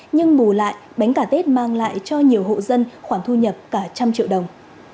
nhưng bù lại bánh cà tết mang lại cho nhiều hộ dân khoảng thu nhập cả trăm triệu đồng